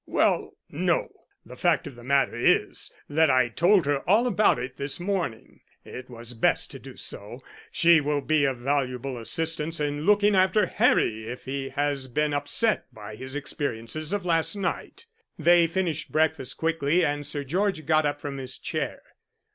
"Well, no. The fact of the matter is that I told her all about it this morning. It was best to do so. She will be of valuable assistance in looking after Harry if he has been upset by his experiences of last night." They finished breakfast quickly, and Sir George got up from his chair.